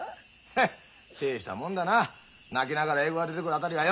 ヘッ！てえしたもんだな泣きながら英語が出てくるあたりはよ。